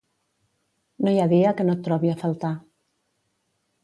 No hi ha dia que no et trobi a faltar.